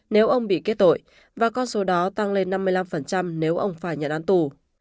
nếu ông bị kết tội và con số đó tăng lên năm mươi năm nếu ông phải nhận án tù